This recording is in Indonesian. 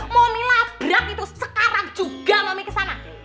momi labrak itu sekarang juga momi kesana